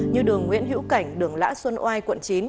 như đường nguyễn hữu cảnh đường lã xuân oai quận chín